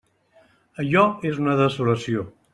Allò és una desolació.